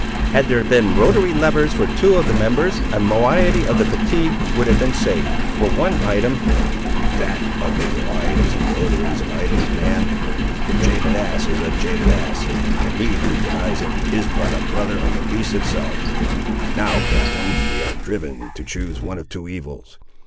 "Had there been rotary levers for two of the members, a moiety of the fatigue would have been saved, for one item—" "That, for your moiety's and rotaries, and items, man; a jaded ass is a jaded ass, and he who denies it is but a brother of the beast itself. Now, captain, are we driven to choose one of two evils.